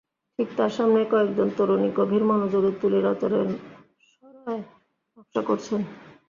ঠিক তার সামনেই কয়েকজন তরুণী গভীর মনোযোগে তুলির আঁচড়ে সরায় নকশা করছেন।